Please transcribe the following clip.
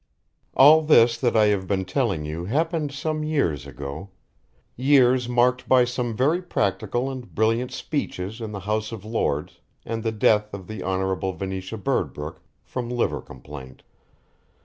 All this that I have been telling you happened some years ago, years marked by some very practical and brilliant speeches in the House of Lords and the death of the Hon. Venetia Birdbrook from liver complaint.